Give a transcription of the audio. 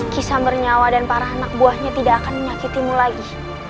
kisah bernyawa dan para anak buahnya tidak akan menyakitimu lagi